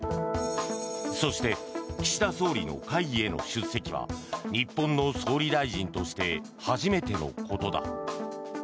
そして岸田総理の会議への出席は日本の総理大臣として初めてのことだ。